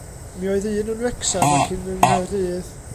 Mi oedd un yn Wrecsam ac un yng Nghaerdydd.